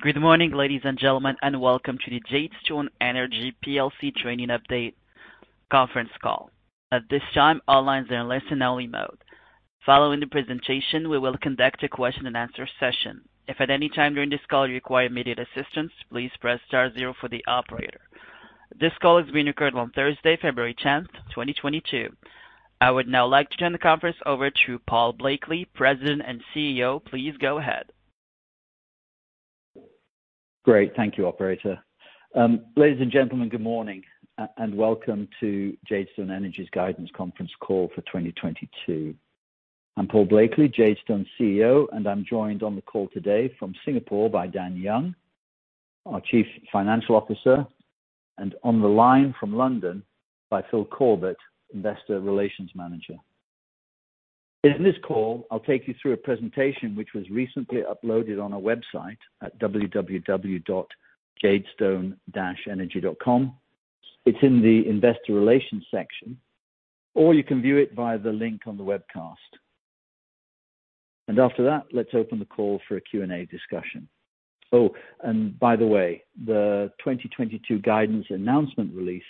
Good morning, ladies and gentlemen, and welcome to the Jadestone Energy plc trading update conference call. At this time, all lines are in listen only mode. Following the presentation, we will conduct a question and answer session. If at any time during this call you require immediate assistance, please press star zero for the operator. This call is being recorded on Thursday, February 10th, 2022. I would now like to turn the conference over to Paul Blakeley, President and CEO. Please go ahead. Great. Thank you, operator. Ladies and gentlemen, good morning and welcome to Jadestone Energy's guidance conference call for 2022. I'm Paul Blakeley, Jadestone CEO, and I'm joined on the call today from Singapore by Dan Young, our Chief Financial Officer, and on the line from London by Phil Corbett, Investor Relations Manager. In this call, I'll take you through a presentation which was recently uploaded on our website at www.jadestone-energy.com. It's in the investor relations section, or you can view it via the link on the webcast. After that, let's open the call for a Q&A discussion. Oh, and by the way, the 2022 guidance announcement release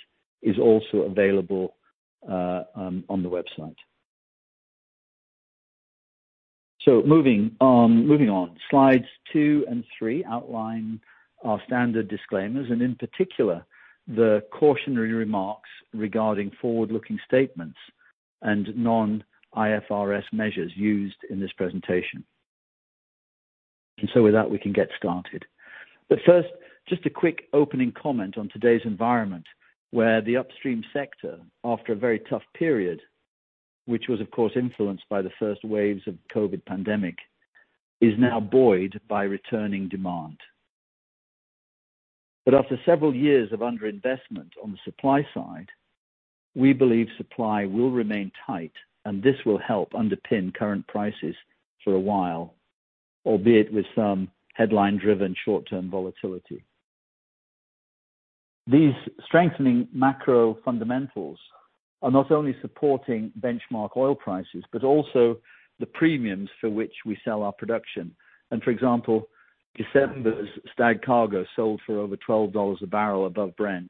is also available on the website. So moving on. Slides two and three outline our standard disclaimers and in particular, the cautionary remarks regarding forward-looking statements and non-IFRS measures used in this presentation. With that, we can get started. First, just a quick opening comment on today's environment, where the upstream sector, after a very tough period, which was of course influenced by the first waves of COVID pandemic, is now buoyed by returning demand. After several years of underinvestment on the supply side, we believe supply will remain tight, and this will help underpin current prices for a while, albeit with some headline-driven short-term volatility. These strengthening macro fundamentals are not only supporting benchmark oil prices, but also the premiums for which we sell our production. For example, December's Stag cargo sold for over $12 a barrel above Brent,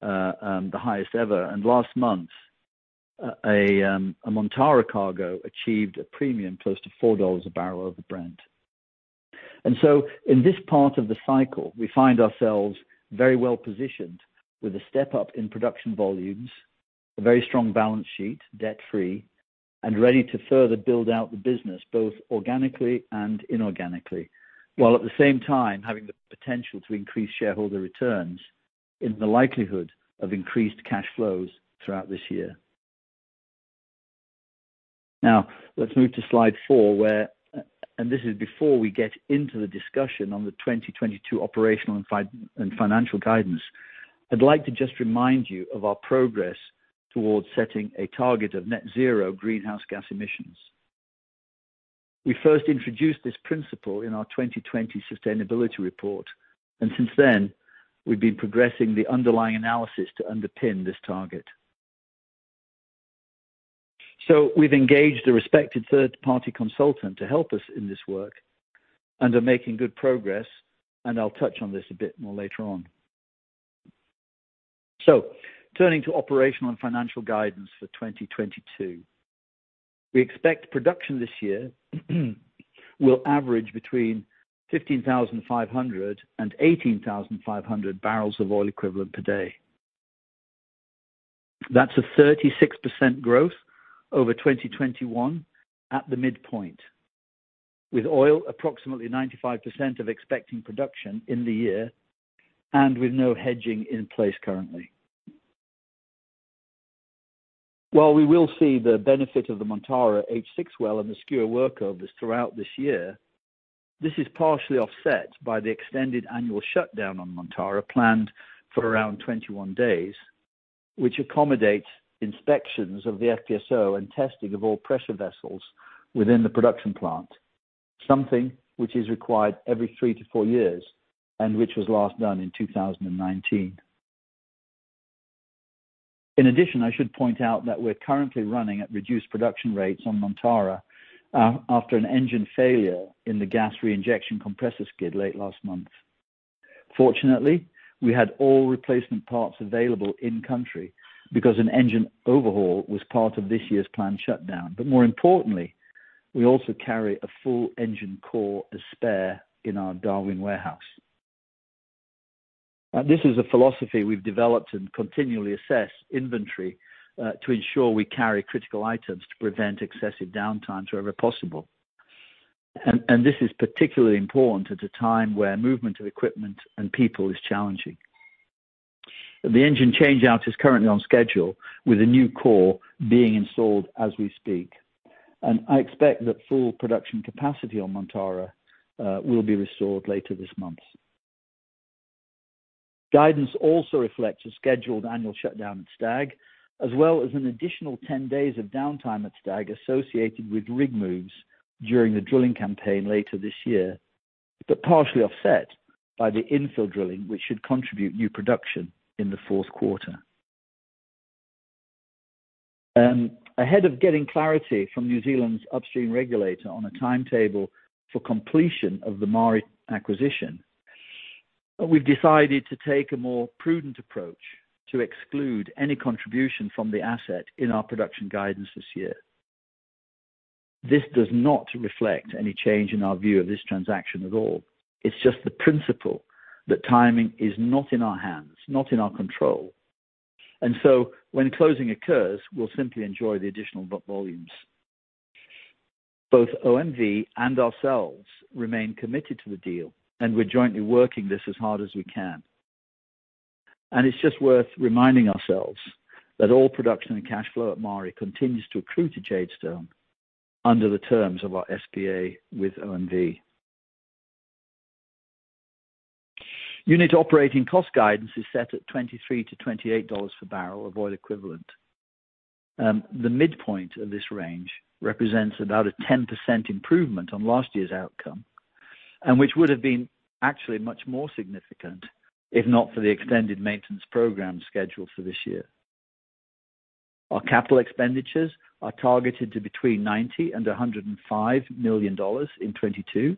the highest ever. Last month, a Montara cargo achieved a premium close to $4 a barrel over Brent. In this part of the cycle, we find ourselves very well-positioned with a step-up in production volumes, a very strong balance sheet, debt-free, and ready to further build out the business, both organically and inorganically, while at the same time having the potential to increase shareholder returns in the likelihood of increased cash flows throughout this year. Now, let's move to slide four, where this is before we get into the discussion on the 2022 operational and financial guidance. I'd like to just remind you of our progress towards setting a target of net zero greenhouse gas emissions. We first introduced this principle in our 2020 sustainability report, and since then, we've been progressing the underlying analysis to underpin this target. We've engaged a respected third-party consultant to help us in this work and are making good progress, and I'll touch on this a bit more later on. Turning to operational and financial guidance for 2022. We expect production this year will average between 15,500 and 18,500 barrels of oil equivalent per day. That's a 36% growth over 2021 at the midpoint, with oil approximately 95% of expected production in the year and with no hedging in place currently. While we will see the benefit of the Montara H6 well and the Skua workovers throughout this year, this is partially offset by the extended annual shutdown on Montara planned for around 21 days, which accommodates inspections of the FPSO and testing of all pressure vessels within the production plant, something which is required every three to four years and which was last done in 2019. In addition, I should point out that we're currently running at reduced production rates on Montara after an engine failure in the gas reinjection compressor skid late last month. Fortunately, we had all replacement parts available in-country because an engine overhaul was part of this year's planned shutdown. More importantly, we also carry a full engine core as spare in our Darwin warehouse. This is a philosophy we've developed and continually assess inventory to ensure we carry critical items to prevent excessive downtimes wherever possible. This is particularly important at a time where movement of equipment and people is challenging. The engine change-out is currently on schedule with a new core being installed as we speak. I expect that full production capacity on Montara will be restored later this month. Guidance also reflects a scheduled annual shutdown at Stag, as well as an additional 10 days of downtime at Stag associated with rig moves during the drilling campaign later this year, but partially offset by the infill drilling, which should contribute new production in the fourth quarter. Ahead of getting clarity from New Zealand's upstream regulator on a timetable for completion of the Maari acquisition, we've decided to take a more prudent approach to exclude any contribution from the asset in our production guidance this year. This does not reflect any change in our view of this transaction at all. It's just the principle that timing is not in our hands, not in our control. When closing occurs, we'll simply enjoy the additional volumes. Both OMV and ourselves remain committed to the deal, and we're jointly working this as hard as we can. It's just worth reminding ourselves that all production and cash flow at Maari continues to accrue to Jadestone under the terms of our SPA with OMV. Unit operating cost guidance is set at $23-$28 per barrel of oil equivalent. The midpoint of this range represents about a 10% improvement on last year's outcome, and which would have been actually much more significant if not for the extended maintenance program scheduled for this year. Our capital expenditures are targeted to between $90 million and $105 million in 2022,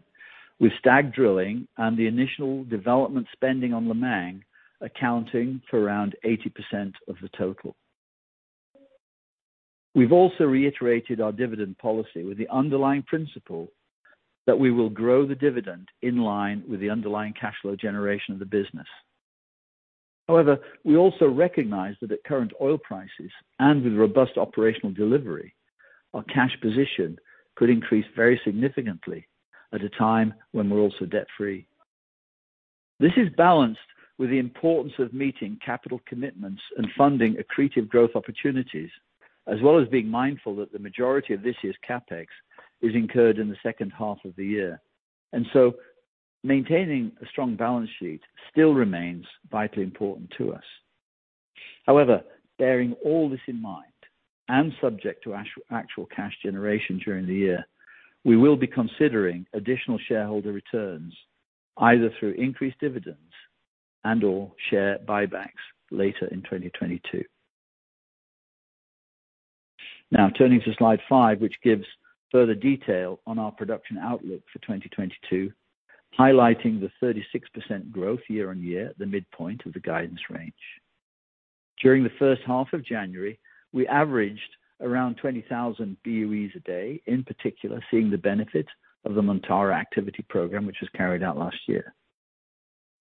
with Stag drilling and the initial development spending on Lemang accounting for around 80% of the total. We've also reiterated our dividend policy with the underlying principle that we will grow the dividend in line with the underlying cash flow generation of the business. However, we also recognize that at current oil prices and with robust operational delivery, our cash position could increase very significantly at a time when we're also debt-free. This is balanced with the importance of meeting capital commitments and funding accretive growth opportunities, as well as being mindful that the majority of this year's CapEx is incurred in the second half of the year. Maintaining a strong balance sheet still remains vitally important to us. However, bearing all this in mind and subject to actual cash generation during the year, we will be considering additional shareholder returns either through increased dividends and/or share buybacks later in 2022. Now turning to slide five, which gives further detail on our production outlook for 2022, highlighting the 36% growth year-on-year at the midpoint of the guidance range. During the first half of January, we averaged around 20,000 BOEs a day, in particular seeing the benefit of the Montara activity program, which was carried out last year.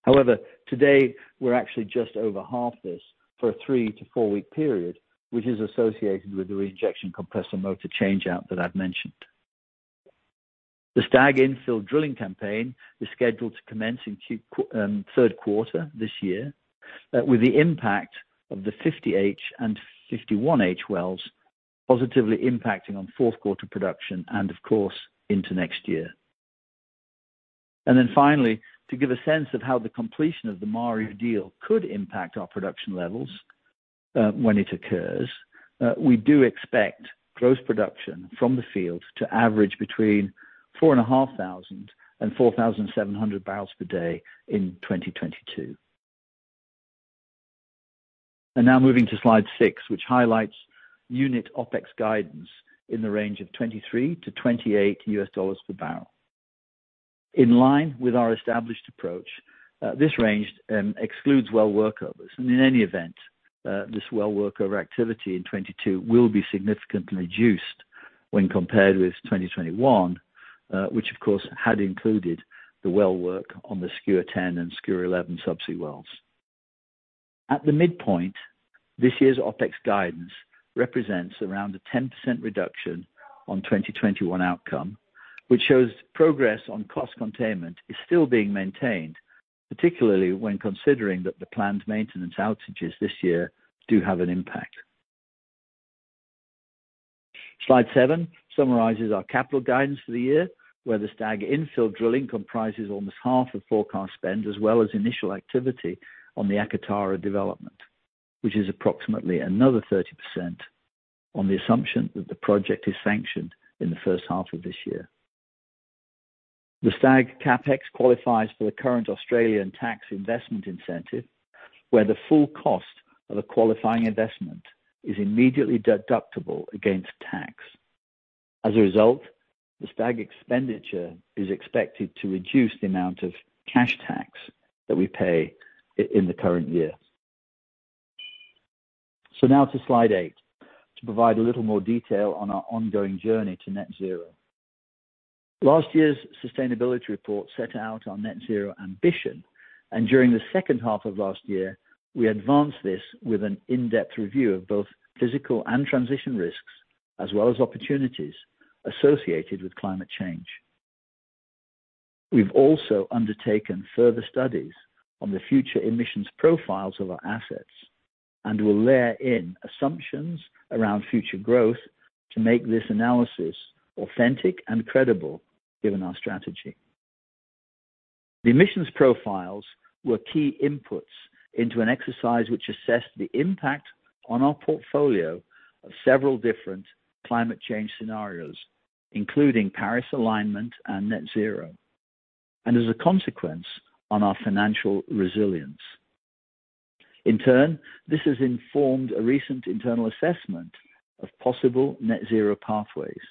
However, today we're actually just over half this for a three to four-week period, which is associated with the reinjection compressor motor change-out that I've mentioned. The Stag infill drilling campaign is scheduled to commence in third quarter this year, with the impact of the 50H and 51H wells positively impacting on fourth quarter production and of course into next year. Finally, to give a sense of how the completion of the Maari deal could impact our production levels, when it occurs, we do expect gross production from the field to average between 4,500 and 4,700 barrels per day in 2022. Now moving to slide six, which highlights unit OpEx guidance in the range of $23-$28 per barrel. In line with our established approach, this range excludes well workovers. In any event, this well workover activity in 2022 will be significantly reduced when compared with 2021, which of course had included the well workover on the Skua-10 and Skua-11 subsea wells. At the midpoint, this year's OpEx guidance represents around a 10% reduction on 2021 outcome, which shows progress on cost containment is still being maintained, particularly when considering that the planned maintenance outages this year do have an impact. Slide seven summarizes our capital guidance for the year, where the Stag infill drilling comprises almost half of forecast spend, as well as initial activity on the Akatara development, which is approximately another 30% on the assumption that the project is sanctioned in the first half of this year. The Stag CapEx qualifies for the current Australian Tax investment incentive, where the full cost of a qualifying investment is immediately deductible against tax. As a result, the Stag expenditure is expected to reduce the amount of cash tax that we pay in the current year. Now to slide eight to provide a little more detail on our ongoing journey to net zero. Last year's sustainability report set out our net zero ambition, and during the second half of last year, we advanced this with an in-depth review of both physical and transition risks as well as opportunities associated with climate change. We've also undertaken further studies on the future emissions profiles of our assets and will layer in assumptions around future growth to make this analysis authentic and credible given our strategy. The emissions profiles were key inputs into an exercise which assessed the impact on our portfolio of several different climate change scenarios, including Paris alignment and net zero, as a consequence on our financial resilience. In turn, this has informed a recent internal assessment of possible net-zero pathways.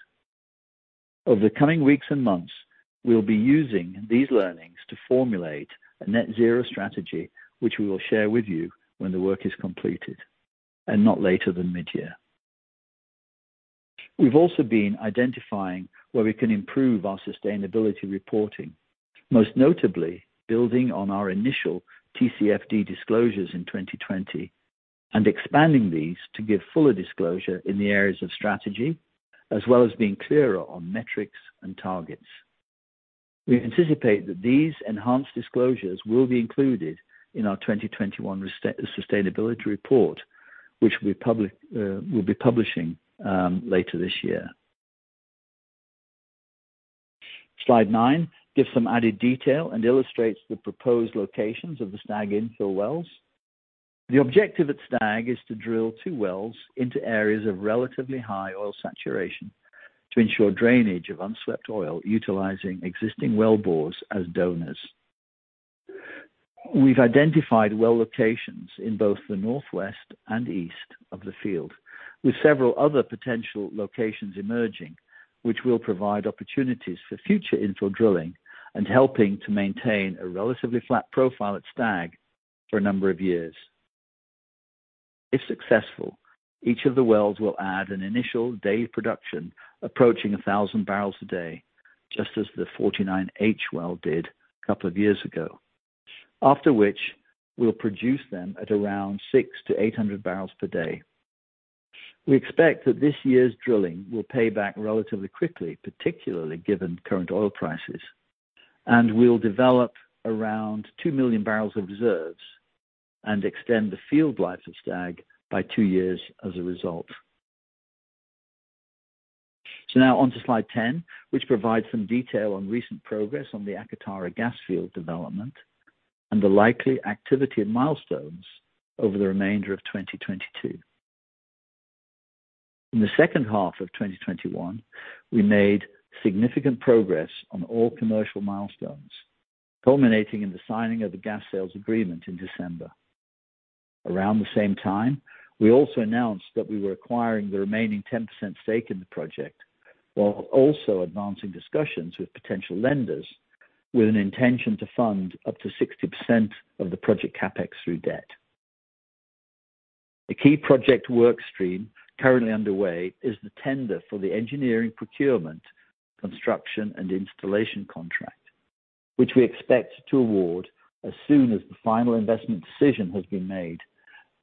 Over the coming weeks and months, we'll be using these learnings to formulate a net-zero strategy, which we will share with you when the work is completed, and not later than mid-year. We've also been identifying where we can improve our sustainability reporting, most notably building on our initial TCFD disclosures in 2020, and expanding these to give fuller disclosure in the areas of strategy, as well as being clearer on metrics and targets. We anticipate that these enhanced disclosures will be included in our 2021 sustainability report, which we will be publishing later this year. Slide nine gives some added detail and illustrates the proposed locations of the Stag infill wells. The objective at Stag is to drill two wells into areas of relatively high oil saturation to ensure drainage of unswept oil utilizing existing wellbores as donors. We've identified well locations in both the northwest and east of the field, with several other potential locations emerging, which will provide opportunities for future infill drilling and helping to maintain a relatively flat profile at Stag for a number of years. If successful, each of the wells will add an initial day production approaching 1,000 barrels a day, just as the 49H well did a couple of years ago, after which we'll produce them at around 600-800 barrels per day. We expect that this year's drilling will pay back relatively quickly, particularly given current oil prices, and will develop around 2 million barrels of reserves and extend the field life of Stag by two years as a result. Now on to slide 10, which provides some detail on recent progress on the Akatara gas field development and the likely activity and milestones over the remainder of 2022. In the second half of 2021, we made significant progress on all commercial milestones, culminating in the signing of the gas sales agreement in December. Around the same time, we also announced that we were acquiring the remaining 10% stake in the project, while also advancing discussions with potential lenders with an intention to fund up to 60% of the project CapEx through debt. The key project work stream currently underway is the tender for the engineering, procurement, construction, and installation contract,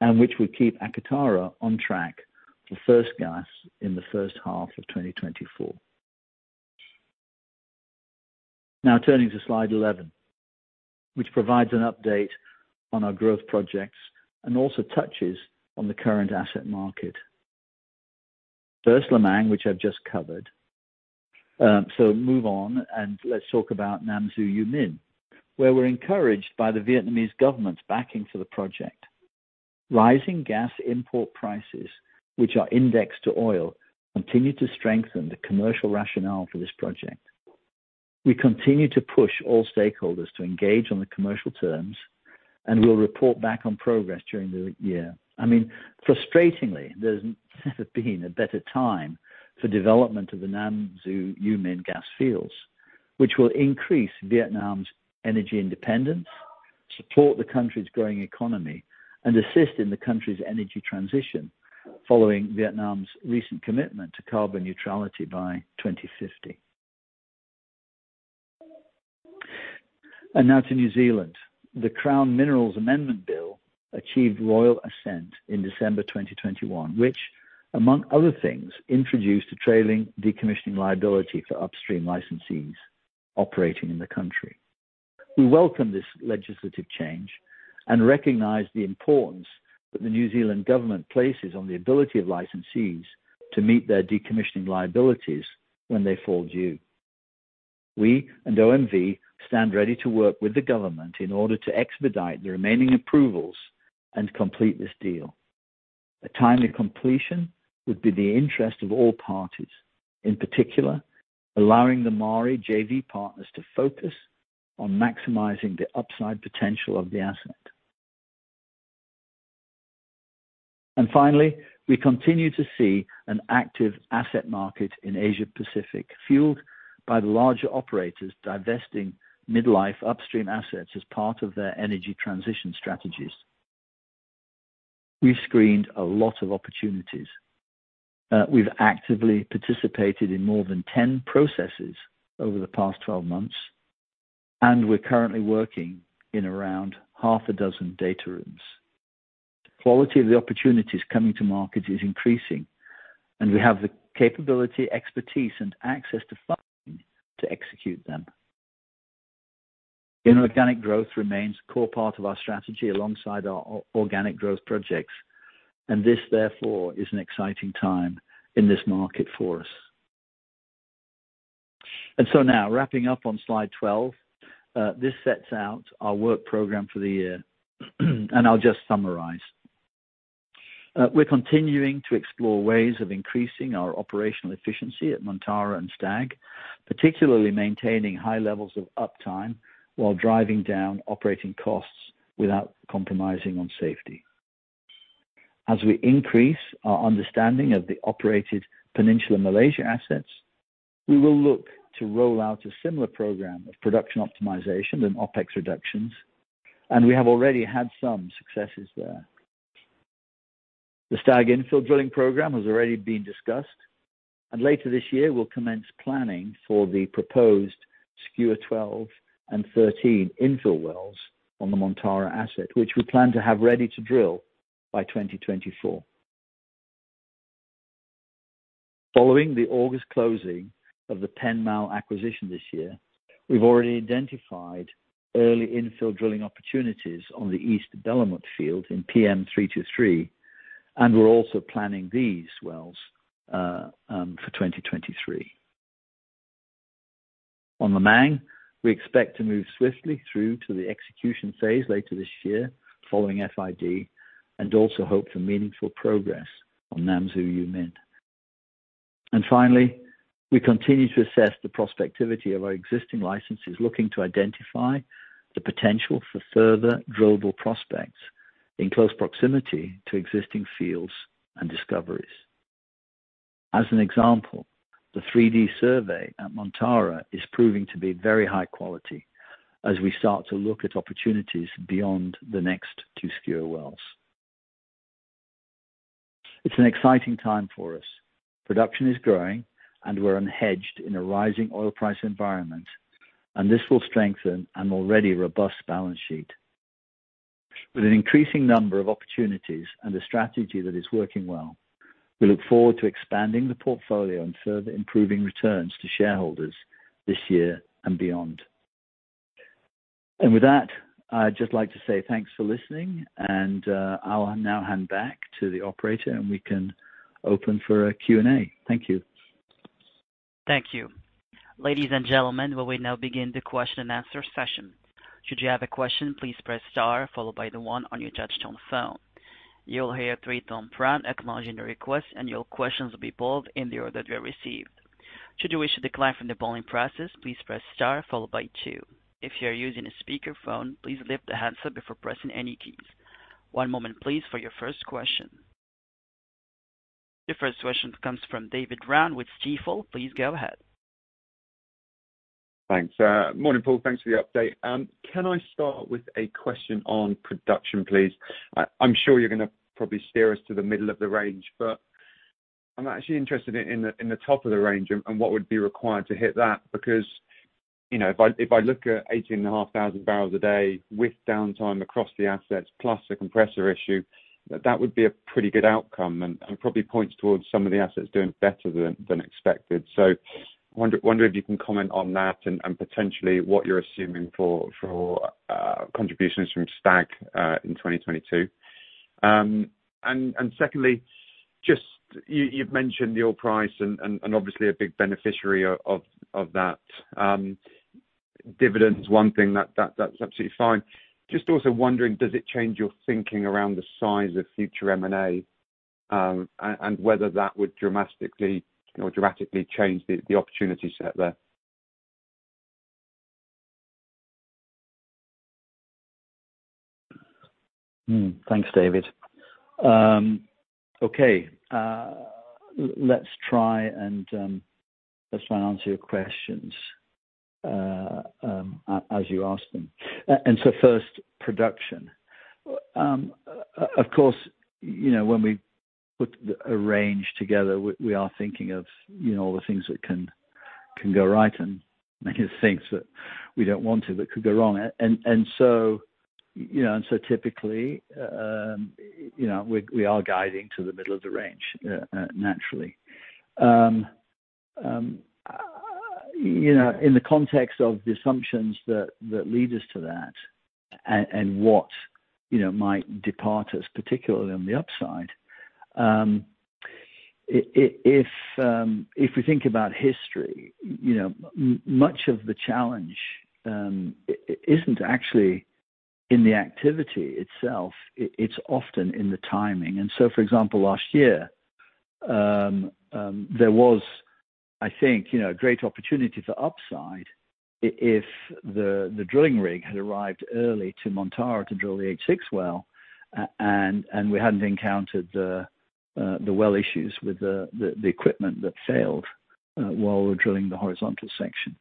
which we expect to award as soon as the final investment decision has been made and which will keep Akatara on track for first gas in the first half of 2024. Now turning to slide 11, which provides an update on our growth projects and also touches on the current asset market. First, Lemang, which I've just covered. Move on and let's talk about Nam Du / U Minh, where we're encouraged by the Vietnamese government's backing for the project. Rising gas import prices, which are indexed to oil, continue to strengthen the commercial rationale for this project. We continue to push all stakeholders to engage on the commercial terms, and we'll report back on progress during the year. I mean, frustratingly, there's never been a better time for development of the Nam Du / U Minh gas fields, which will increase Vietnam's energy independence, support the country's growing economy, and assist in the country's energy transition following Vietnam's recent commitment to carbon neutrality by 2050. Now to New Zealand. The Crown Minerals Amendment Bill achieved Royal Assent in December 2021, which among other things, introduced a trailing decommissioning liability for upstream licensees operating in the country. We welcome this legislative change and recognize the importance that the New Zealand government places on the ability of licensees to meet their decommissioning liabilities when they fall due. We and OMV stand ready to work with the government in order to expedite the remaining approvals and complete this deal. A timely completion would be the interest of all parties, in particular, allowing the Maari JV partners to focus on maximizing the upside potential of the asset. Finally, we continue to see an active asset market in Asia-Pacific, fueled by the larger operators divesting mid-life upstream assets as part of their energy transition strategies. We've screened a lot of opportunities. We've actively participated in more than 10 processes over the past 12 months, and we're currently working in around half a dozen data rooms. Quality of the opportunities coming to market is increasing, and we have the capability, expertise, and access to funding to execute them. Inorganic growth remains a core part of our strategy alongside our organic growth projects, and this, therefore, is an exciting time in this market for us. Now wrapping up on slide 12, this sets out our work program for the year, and I'll just summarize. We're continuing to explore ways of increasing our operational efficiency at Montara and Stag, particularly maintaining high levels of uptime while driving down operating costs without compromising on safety. As we increase our understanding of the operated Peninsular Malaysia assets, we will look to roll out a similar program of production optimization and OpEx reductions, and we have already had some successes there. The Stag infill drilling program has already been discussed, and later this year, we'll commence planning for the proposed Skua 12 and 13 infill wells on the Montara asset, which we plan to have ready to drill by 2024. Following the August closing of the PenMal acquisition this year, we've already identified early infill drilling opportunities on the East Belumut field in PM323, and we're also planning these wells for 2023. On the Nam, we expect to move swiftly through to the execution phase later this year, following FID, and also hope for meaningful progress on Nam Du and U Minh. Finally, we continue to assess the prospectivity of our existing licenses, looking to identify the potential for further drillable prospects in close proximity to existing fields and discoveries. As an example, the 3D survey at Montara is proving to be very high quality as we start to look at opportunities beyond the next two Skua wells. It's an exciting time for us. Production is growing and we're unhedged in a rising oil price environment, and this will strengthen an already robust balance sheet. With an increasing number of opportunities and a strategy that is working well, we look forward to expanding the portfolio and further improving returns to shareholders this year and beyond. With that, I'd just like to say thanks for listening and, I'll now hand back to the operator and we can open for a Q&A. Thank you. Thank you. Ladies and gentlemen, we will now begin the question and answer session. Should you have a question, please press star followed by the one on your touch tone phone. You will hear a three-tone prompt acknowledging the request, and your questions will be polled in the order they're received. Should you wish to decline from the polling process, please press star followed by two. If you're using a speaker phone, please lift the handset before pressing any keys. One moment, please, for your first question. The first question comes from David Round with Stifel. Please go ahead. Thanks. Morning, Paul. Thanks for the update. Can I start with a question on production, please? I'm sure you're gonna probably steer us to the middle of the range, but I'm actually interested in the top of the range and what would be required to hit that. Because, you know, if I look at 18,500 barrels a day with downtime across the assets plus the compressor issue, that would be a pretty good outcome and probably points towards some of the assets doing better than expected. Wonder if you can comment on that and potentially what you're assuming for contributions from Stag in 2022. Secondly, you've mentioned the oil price and obviously a big beneficiary of that. Dividend is one thing that's absolutely fine. Just also wondering, does it change your thinking around the size of future M&A, and whether that would dramatically, you know, change the opportunity set there? Thanks, David. Okay. Let's try and answer your questions as you asked them. First, production. Of course, you know, when we put a range together, we are thinking of, you know, all the things that can go right and maybe things that we don't want to but could go wrong. You know, typically, you know, we are guiding to the middle of the range, naturally. You know, in the context of the assumptions that lead us to that and what, you know, might depart us particularly on the upside, if we think about history, you know, much of the challenge isn't actually in the activity itself. It's often in the timing. For example, last year, there was, I think, you know, a great opportunity for upside if the drilling rig had arrived early to Montara to drill the H6 well, and we hadn't encountered the well issues with the equipment that failed while we were drilling the horizontal section,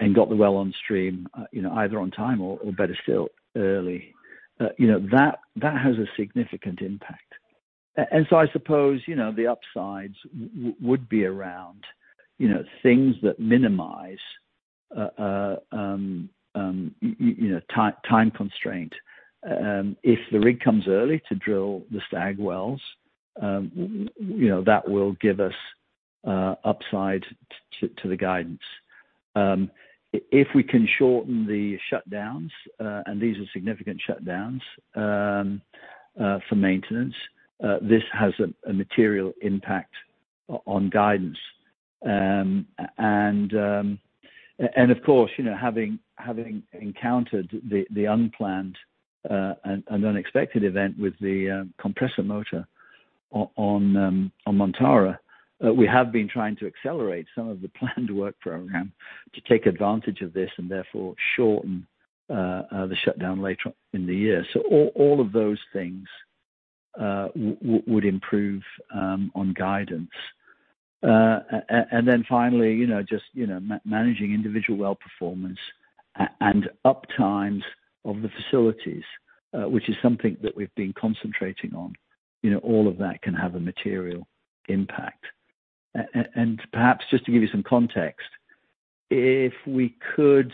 and got the well on stream, you know, either on time or better still early. You know, that has a significant impact. I suppose, you know, the upsides would be around, you know, things that minimize time constraint. If the rig comes early to drill the Stag wells, you know, that will give us upside to the guidance. If we can shorten the shutdowns, and these are significant shutdowns for maintenance, this has a material impact on guidance. Of course, you know, having encountered the unplanned and unexpected event with the compressor motor on Montara, we have been trying to accelerate some of the planned work program to take advantage of this and therefore shorten the shutdown later on in the year. All of those things would improve on guidance. Finally, you know, just, you know, managing individual well performance and up times of the facilities, which is something that we've been concentrating on. You know, all of that can have a material impact. Perhaps just to give you some context, if we could...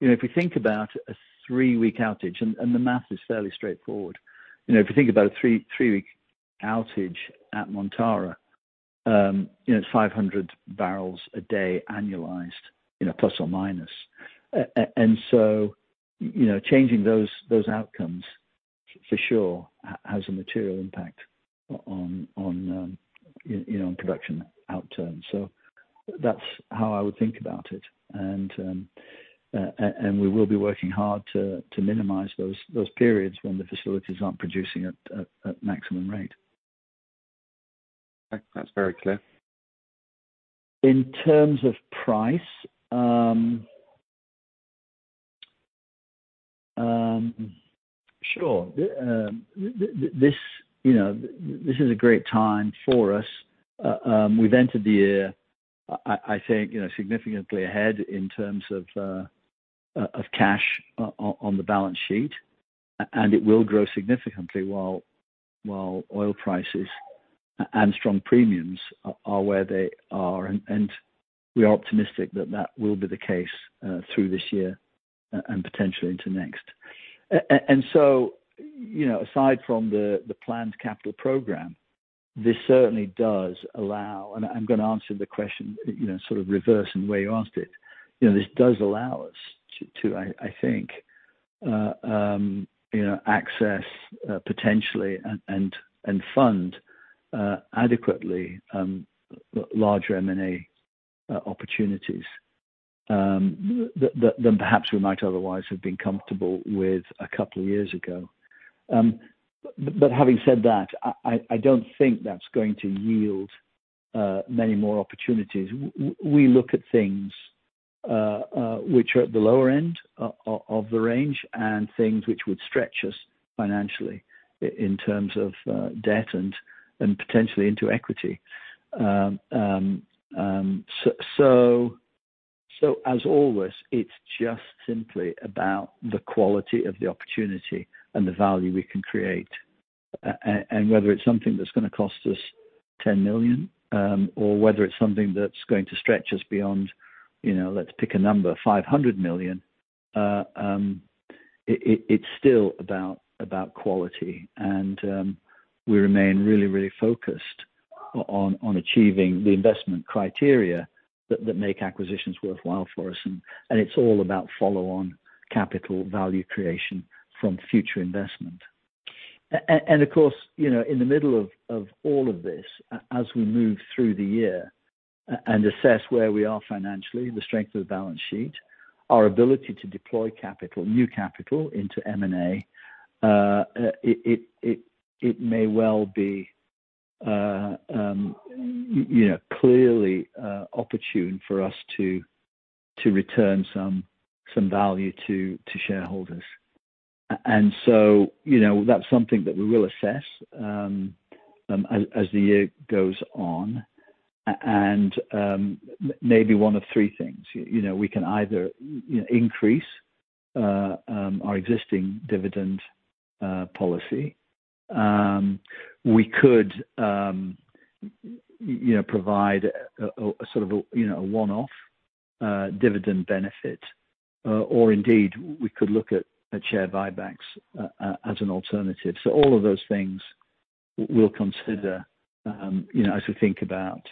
You know, if we think about a three-week outage, the math is fairly straightforward. You know, if you think about a three-week outage at Montara, you know, it's 500 barrels a day annualized, you know, plus or minus. You know, changing those outcomes for sure has a material impact on, you know, production outturn. That's how I would think about it. We will be working hard to minimize those periods when the facilities aren't producing at maximum rate. That's very clear. In terms of price, sure. This, you know, this is a great time for us. We've entered the year, I think, you know, significantly ahead in terms of cash on the balance sheet, and it will grow significantly while oil prices and strong premiums are where they are. We are optimistic that that will be the case through this year and potentially into next. So, you know, aside from the planned capital program, this certainly does allow. I'm gonna answer the question, you know, sort of reverse in the way you asked it. You know, this does allow us to, I think, you know, access potentially and fund adequately large M&A opportunities than perhaps we might otherwise have been comfortable with a couple of years ago. Having said that, I don't think that's going to yield many more opportunities. We look at things which are at the lower end of the range and things which would stretch us financially in terms of debt and potentially into equity. As always, it's just simply about the quality of the opportunity and the value we can create. Whether it's something that's gonna cost us $10 million, or whether it's something that's going to stretch us beyond, you know, let's pick a number, $500 million, it's still about quality. We remain really focused on achieving the investment criteria that make acquisitions worthwhile for us. It's all about follow-on capital value creation from future investment. Of course, you know, in the middle of all of this, as we move through the year and assess where we are financially, the strength of the balance sheet, our ability to deploy capital, new capital into M&A, it may well be, you know, clearly opportune for us to return some value to shareholders. You know, that's something that we will assess as the year goes on. And maybe one of three things. You know, we can either increase our existing dividend policy. We could, you know, provide a sort of a, you know, a one-off dividend benefit, or indeed, we could look at share buybacks as an alternative. All of those things we'll consider, you know, as we think about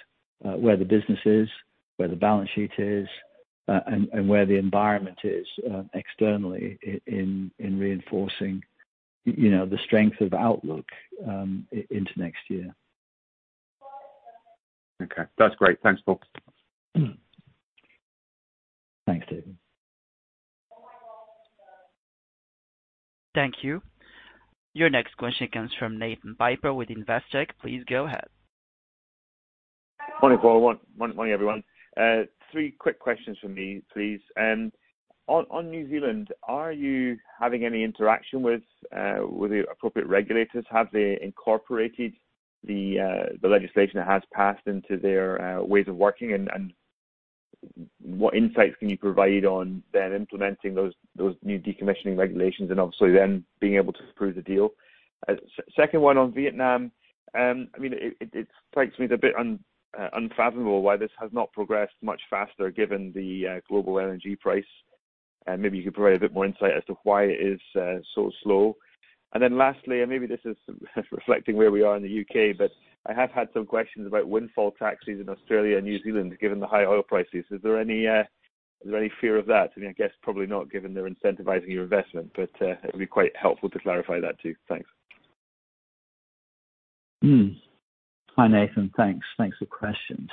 where the business is, where the balance sheet is, and where the environment is externally in reinforcing, you know, the strength of outlook into next year. Okay. That's great. Thanks, Paul. Thanks, David. Thank you. Your next question comes from Nathan Piper with Investec. Please go ahead. Morning Paul, morning, everyone. Three quick questions from me, please. On New Zealand, are you having any interaction with the appropriate regulators? Have they incorporated the legislation that has passed into their ways of working? What insights can you provide on them implementing those new decommissioning regulations and obviously then being able to approve the deal? Second one on Vietnam. I mean, it strikes me as a bit unfathomable why this has not progressed much faster, given the global LNG price. Then lastly, and maybe this is reflecting where we are in the U.K., but I have had some questions about windfall taxes in Australia and New Zealand, given the high oil prices. Is there any fear of that? I mean, I guess probably not given they're incentivizing your investment, but it'd be quite helpful to clarify that too. Thanks. Hi, Nathan. Thanks. Thanks for questions.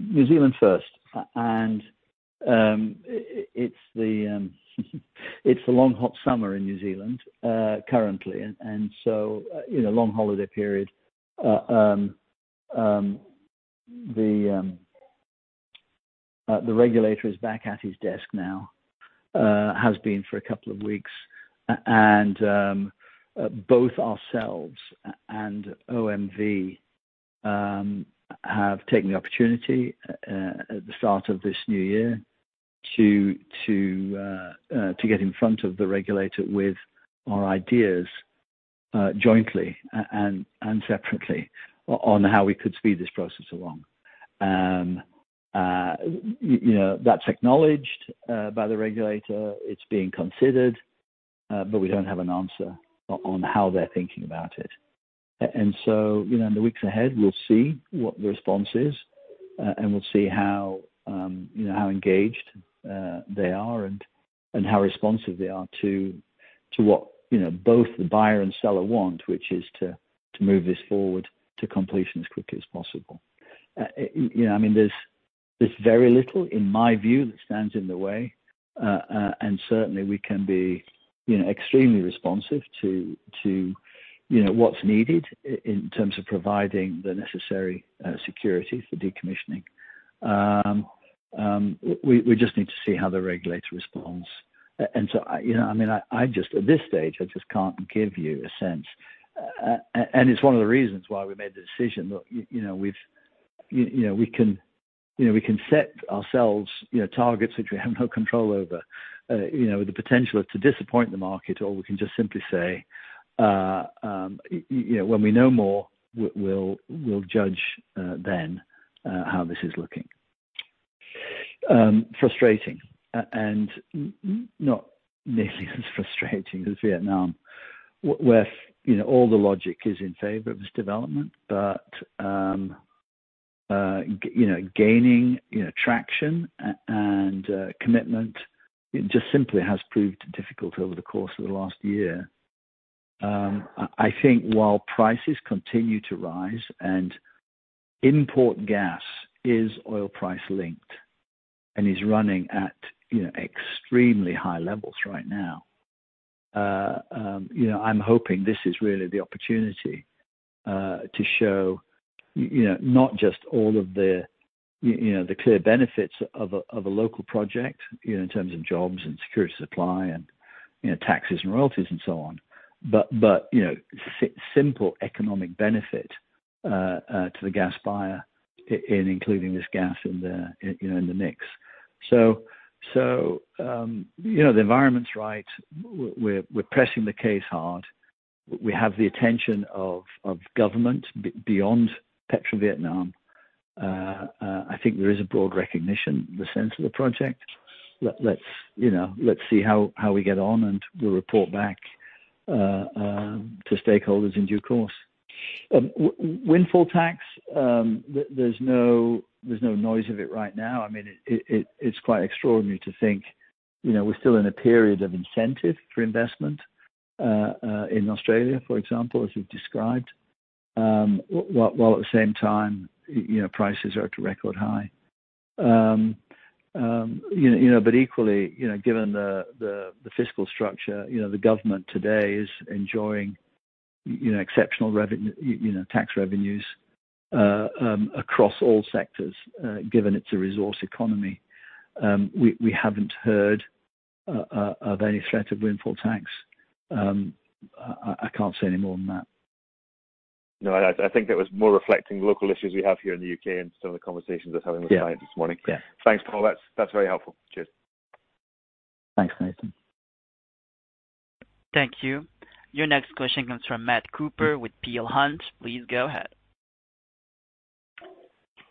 New Zealand first. It's a long, hot summer in New Zealand currently. So, you know, long holiday period. The regulator is back at his desk now, has been for a couple of weeks. Both ourselves and OMV have taken the opportunity at the start of this new year to get in front of the regulator with our ideas jointly and separately on how we could speed this process along. You know, that's acknowledged by the regulator. It's being considered, but we don't have an answer on how they're thinking about it. You know, in the weeks ahead, we'll see what the response is and we'll see how you know how engaged they are and how responsive they are to what you know both the buyer and seller want, which is to move this forward to completion as quickly as possible. You know, I mean, there's very little, in my view, that stands in the way. And certainly we can be you know extremely responsive to you know what's needed in terms of providing the necessary security for decommissioning. We just need to see how the regulator responds. You know, I mean, at this stage, I just can't give you a sense. It's one of the reasons why we made the decision that you know we've. You know, we can, you know, we can set ourselves, you know, targets which we have no control over, you know, the potential to disappoint the market, or we can just simply say, you know, when we know more, we'll judge then how this is looking. Frustrating and not nearly as frustrating as Vietnam where, you know, all the logic is in favor of this development, but, you know, gaining, you know, traction and commitment, it just simply has proved difficult over the course of the last year. I think while prices continue to rise and imported gas is oil-price-linked and is running at, you know, extremely high levels right now, you know, I'm hoping this is really the opportunity to show, you know, not just all of the, you know, the clear benefits of a local project, you know, in terms of jobs and supply security and, you know, taxes and royalties and so on, but, you know, simple economic benefit to the gas buyer in including this gas in the, you know, in the mix. The environment's right. We're pressing the case hard. We have the attention of government beyond Petrovietnam. I think there is a broad recognition in the sense of the project. Let's see how we get on, and we'll report back to stakeholders in due course. Windfall tax, there's no noise of it right now. I mean, it's quite extraordinary to think, you know, we're still in a period of incentive for investment in Australia, for example, as you've described. While at the same time, you know, prices are at a record high. You know, but equally, you know, given the fiscal structure, you know, the government today is enjoying exceptional tax revenues across all sectors, given it's a resource economy. We haven't heard of any threat of windfall tax. I can't say any more than that. No, I think that was more reflecting local issues we have here in the U.K. and some of the conversations I was having with clients this morning. Yeah. Yeah. Thanks, Paul. That's very helpful. Cheers. Thanks, Nathan. Thank you. Your next question comes from Matt Cooper with Peel Hunt. Please go ahead.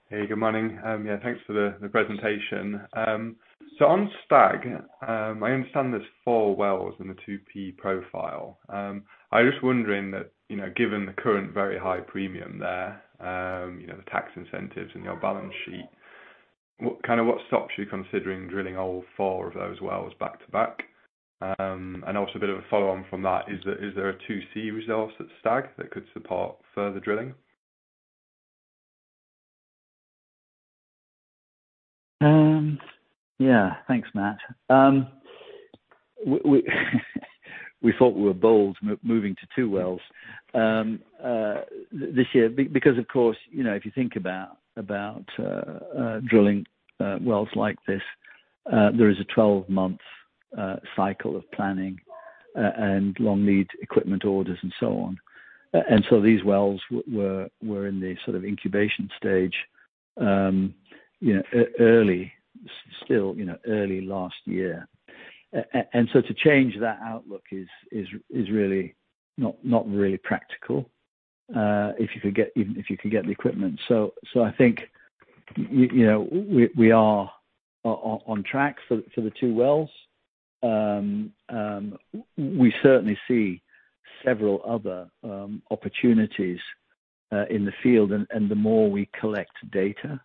Hey, good morning. Yeah, thanks for the presentation. On Stag, I understand there's four wells in the 2P profile. I was just wondering that, you know, given the current very high premium there, you know, the tax incentives in your balance sheet, what stops you considering drilling all four of those wells back to back? Also a bit of a follow on from that, is there a 2C reserve at Stag that could support further drilling? Yeah. Thanks, Matt. We thought we were bold moving to two wells this year. Because of course, you know, if you think about drilling wells like this, there is a 12-month cycle of planning and long lead equipment orders and so on. These wells were in the sort of incubation stage, you know, early still, you know, early last year. To change that outlook is really not really practical, if you could get the equipment. I think, you know, we are on track for the two wells. We certainly see several other opportunities in the field. The more we collect data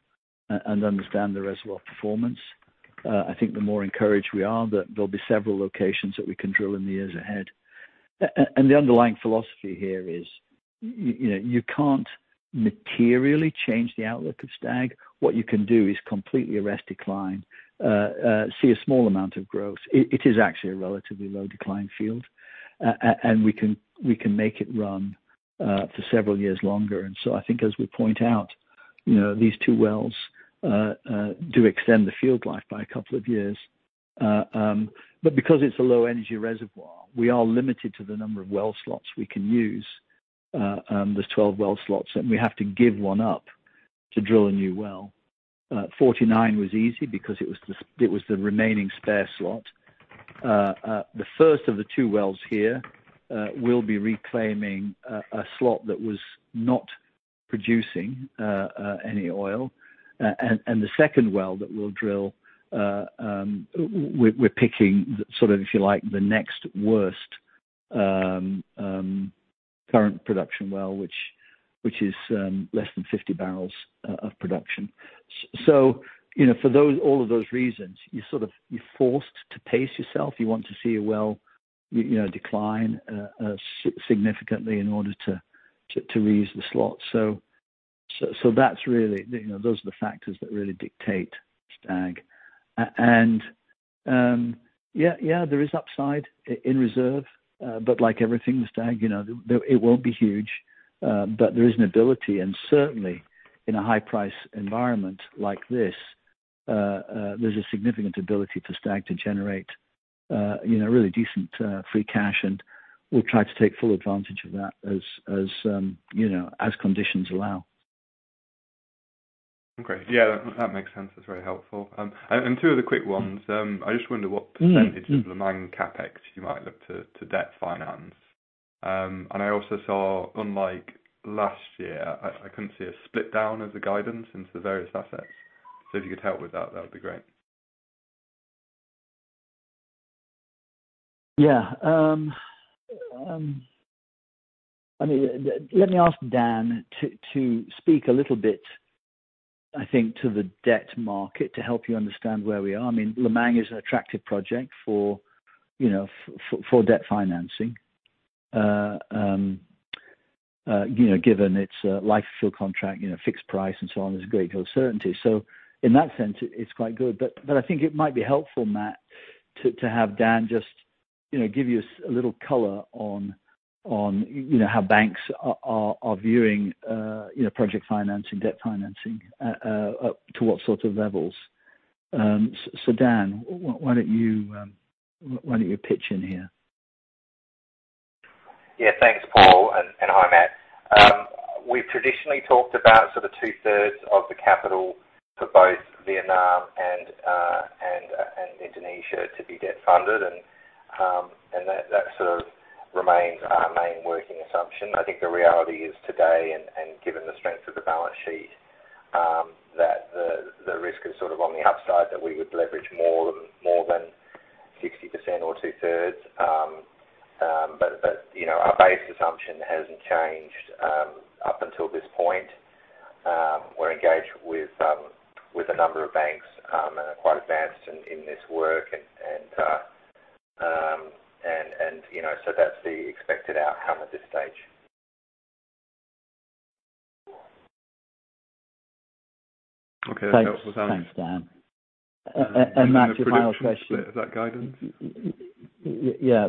and understand the reservoir performance, I think the more encouraged we are that there'll be several locations that we can drill in the years ahead. The underlying philosophy here is you know, you can't materially change the outlook of Stag. What you can do is completely arrest decline, see a small amount of growth. It is actually a relatively low decline field. We can make it run for several years longer. I think as we point out, you know, these two wells do extend the field life by a couple of years. But because it's a low energy reservoir, we are limited to the number of well slots we can use. There's 12 well slots, and we have to give one up to drill a new well. 49 was easy because it was the remaining spare slot. The first of the two wells here will be reclaiming a slot that was not producing any oil. The second well that we'll drill, we're picking sort of, if you like, the next worst current production well, which is less than 50 barrels of production. You know, for all of those reasons, you sort of you're forced to pace yourself. You want to see a well, you know, decline significantly in order to reuse the slot. That's really you know those are the factors that really dictate Stag. Yeah, there is upside in reserve. But like everything with Stag, you know, it won't be huge. But there is an ability, and certainly in a high price environment like this, there's a significant ability for Stag to generate, you know, really decent free cash. We'll try to take full advantage of that as you know, as conditions allow. Okay. Yeah, that makes sense. That's very helpful. And two other quick ones. I just wonder. Mm-hmm. What percentage of Lemang CapEx you might look to debt finance? I also saw, unlike last year, I couldn't see a breakdown of the guidance into the various assets. If you could help with that would be great. I mean, let me ask Dan to speak a little bit, I think, to the debt market to help you understand where we are. I mean, Lemang is an attractive project for, you know, for debt financing. You know, given its life of field contract, you know, fixed price and so on, there's a great deal of certainty. In that sense, it's quite good. I think it might be helpful, Matt, to have Dan just, you know, give you a little color on, you know, how banks are viewing, you know, project financing, debt financing, up to what sorts of levels. Dan, why don't you pitch in here? Yeah. Thanks, Paul, and hi, Matt. We've traditionally talked about sort of two-thirds of the capital for both Vietnam and Indonesia to be debt-funded. That sort of remains our main working assumption. I think the reality is today and given the strength of the balance sheet, that the risk is sort of on the upside that we would leverage more than 60% or two-thirds. You know, our base assumption hasn't changed up until this point. We're engaged with a number of banks and are quite advanced in this work. You know, that's the expected outcome at this stage. Okay. That helps with that. Thanks. Thanks, Dan. Matt, the final question. The production split of that guidance. Yeah.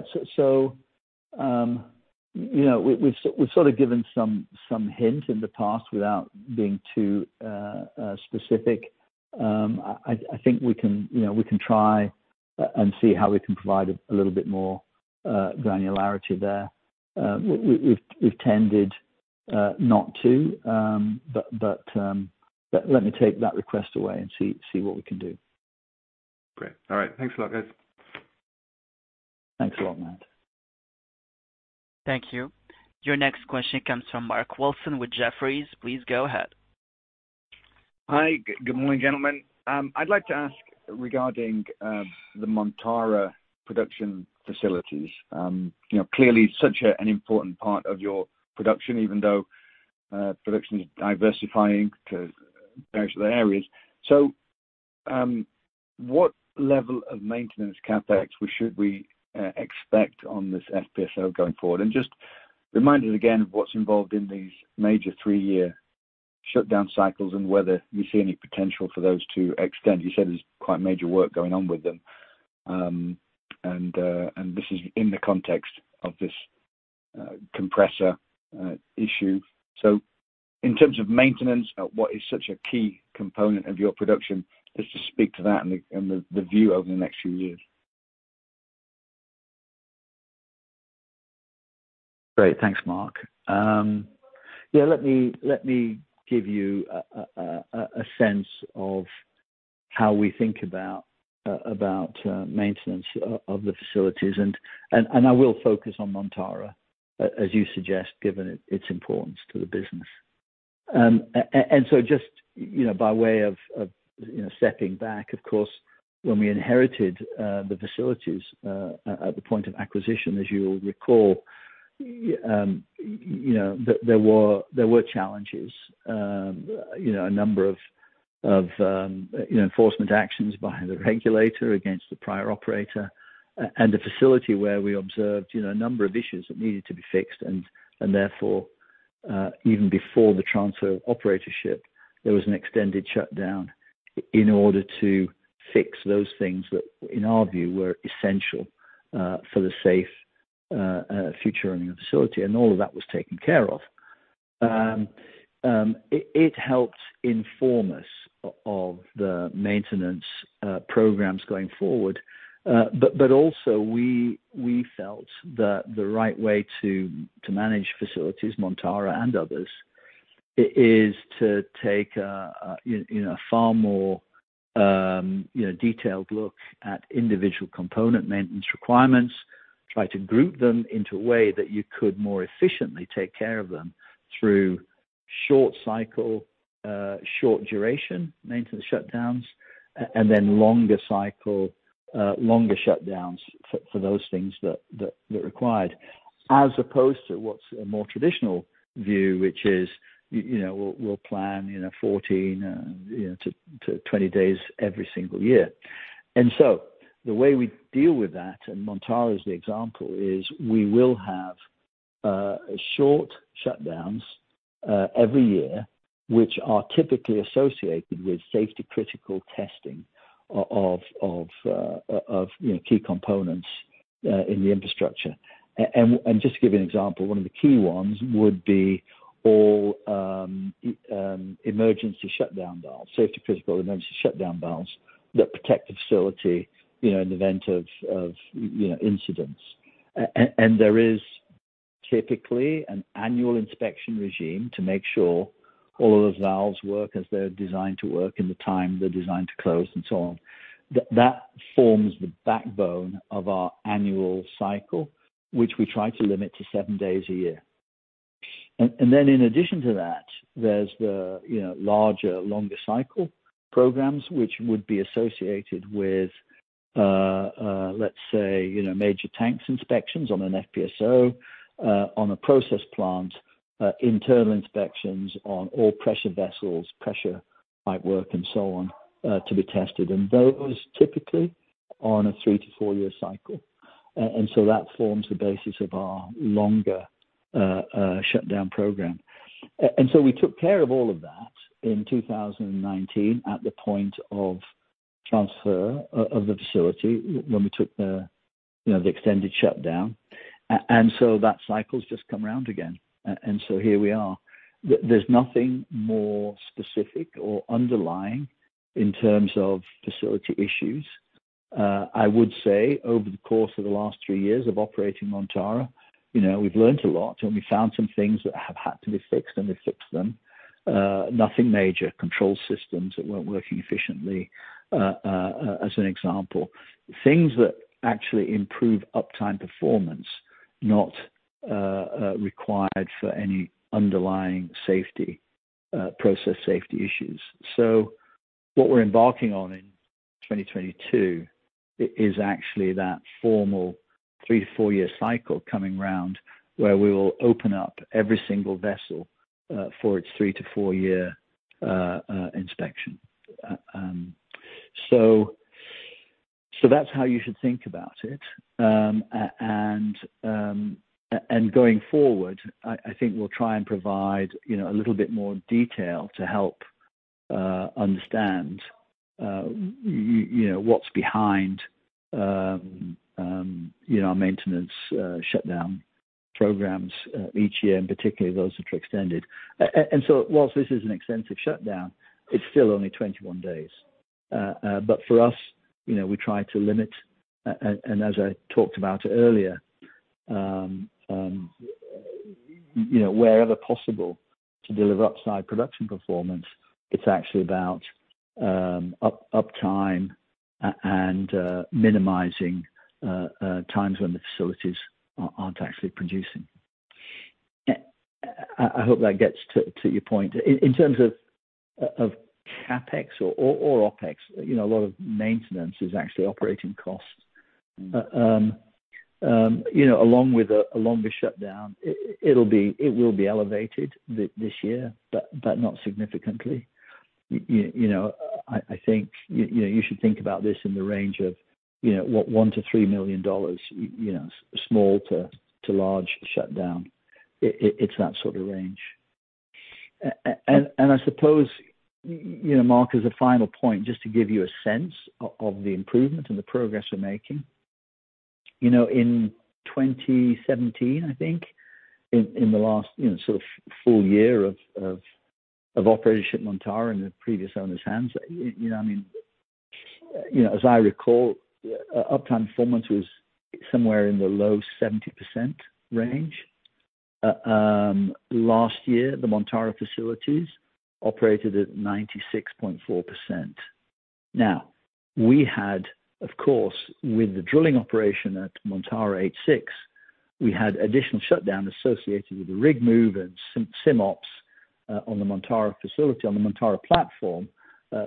You know, we've sort of given some hint in the past without being too specific. I think we can, you know, we can try and see how we can provide a little bit more granularity there. We've tended not to, but let me take that request away and see what we can do. Great. All right. Thanks a lot, guys. Thanks a lot, Matt. Thank you. Your next question comes from Mark Wilson with Jefferies. Please go ahead. Hi. Good morning, gentlemen. I'd like to ask regarding the Montara production facilities. You know, clearly such an important part of your production, even though production is diversifying to various other areas. What level of maintenance CapEx should we expect on this FPSO going forward? And just remind us again of what's involved in these major three-year shutdown cycles and whether you see any potential for those to extend. You said there's quite major work going on with them. This is in the context of this compressor issue. In terms of maintenance, what is such a key component of your production? Just to speak to that and the view over the next few years. Great. Thanks, Mark. Yeah, let me give you a sense of how we think about maintenance of the facilities. I will focus on Montara, as you suggest, given its importance to the business. Just, you know, by way of stepping back, of course, when we inherited the facilities at the point of acquisition, as you'll recall, you know, there were challenges. You know, a number of you know, enforcement actions by the regulator against the prior operator and the facility where we observed, you know, a number of issues that needed to be fixed and therefore, even before the transfer of operatorship, there was an extended shutdown in order to fix those things that, in our view, were essential for the safe future running of the facility, and all of that was taken care of. It helped inform us of the maintenance programs going forward. We felt that the right way to manage facilities, Montara and others, is to take a you know a far more you know detailed look at individual component maintenance requirements, try to group them into a way that you could more efficiently take care of them through short duration maintenance shutdowns, and then longer shutdowns for those things that required, as opposed to what's a more traditional view, which is, you know, we'll plan 14-20 days every single year. The way we deal with that, and Montara is the example, is we will have short shutdowns every year, which are typically associated with safety-critical testing of you know key components in the infrastructure. Just to give you an example, one of the key ones would be all emergency shutdown valves, safety-critical emergency shutdown valves that protect the facility, you know, in the event of incidents. There is typically an annual inspection regime to make sure all of those valves work as they're designed to work in the time they're designed to close and so on. That forms the backbone of our annual cycle, which we try to limit to seven days a year. Then in addition to that, there's the larger, longer cycle programs which would be associated with, let's say, major tanks inspections on an FPSO, on a process plant, internal inspections on all pressure vessels, pressure pipework and so on, to be tested. Those typically are on a three to four-year cycle. That forms the basis of our longer shutdown program. We took care of all of that in 2019 at the point of transfer of the facility when we took, you know, the extended shutdown. That cycle's just come round again. Here we are. There's nothing more specific or underlying in terms of facility issues. I would say over the course of the last three years of operating Montara, you know, we've learned a lot, and we found some things that have had to be fixed, and we fixed them. Nothing major. Control systems that weren't working efficiently, as an example. Things that actually improve uptime performance, not required for any underlying safety, process safety issues. What we're embarking on in 2022 is actually that formal three-to-four-year cycle coming round, where we will open up every single vessel for its three-to-four-year inspection. That's how you should think about it. Going forward, I think we'll try and provide you know a little bit more detail to help understand you know what's behind our maintenance shutdown programs each year, and particularly those which are extended. While this is an extensive shutdown, it's still only 21 days. For us, you know, we try to limit and as I talked about earlier, you know, wherever possible to deliver upside production performance, it's actually about uptime and minimizing times when the facilities aren't actually producing. I hope that gets to your point. In terms of CapEx or OpEx, you know, a lot of maintenance is actually operating costs. Mm. You know, along with a longer shutdown, it'll be elevated this year, but not significantly. You know, I think, you know, you should think about this in the range of, you know, what $1 million-$3 million, you know, small to large shutdown. It's that sort of range. I suppose, you know, Mark, as a final point, just to give you a sense of the improvement and the progress we're making. You know, in 2017, I think, in the last, you know, sort of full year of operatorship Montara in the previous owner's hands, you know what I mean, you know, as I recall, uptime performance was somewhere in the low 70% range. Last year, the Montara facilities operated at 96.4%. Now, we had, of course, with the drilling operation at Montara H6, we had additional shutdown associated with the rig move and some SIMOPS on the Montara facility, on the Montara platform,